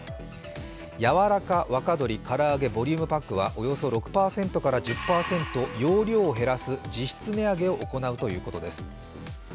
やわらか若鶏から揚げボリュームパックはおよそ６％から１０％容量を減らす実質値上げを行うということです。